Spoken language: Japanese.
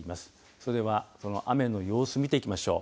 それではその雨の様子、見ていきましょう。